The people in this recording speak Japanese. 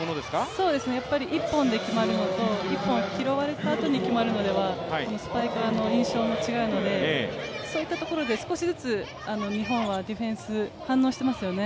そうですね、１本で決まるのと１本拾われたあとで決まるのとではスパイカーの印象も違うので、そういったところで少しずつ日本はディフェンス反応していますよね。